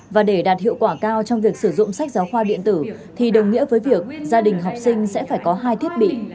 và để đạt hiệu quả cao trong việc sử dụng sách giáo khoa điện tử thì đồng nghĩa với việc gia đình học sinh sẽ phải có hai thiết bị